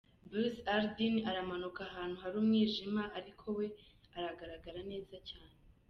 Buzz Aldrin aramanuka ahantu hari umwijima ariko we aragaragra neza cyane.